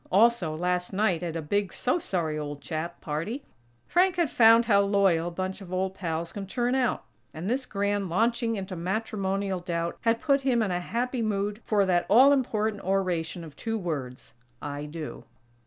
Also, last night, at a big "so sorry, old chap" party, Frank had found how loyal a bunch of old pals can turn out; and this "grand launching into matrimonial doubt" had put him in a happy mood for that all important oration of two words: "I do."